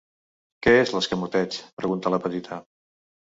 Què és l'escamoteig? —pregunta la petita.